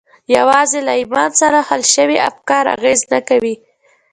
یوازې له ایمان سره حل شوي افکار اغېز نه کوي